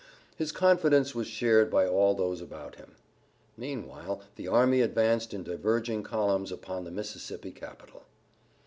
His confidence was shared by all those about him. Meanwhile the army advanced in diverging columns upon the Mississippi capital.